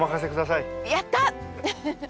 やった！